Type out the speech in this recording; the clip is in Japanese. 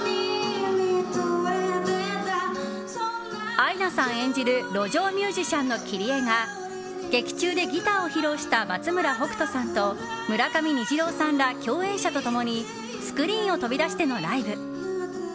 アイナさん演じる路上ミュージシャンのキリエが劇中でギターを披露した松村北斗さんと村上虹郎さんら共演者と共にスクリーンを飛び出してのライブ。